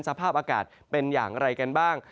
สภาพอากาศเป็นอย่างไรกันบ้าง